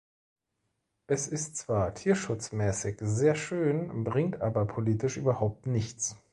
Es ist zwar tierschutzmäßig sehr schön, bringt aber politisch überhaupt nichts.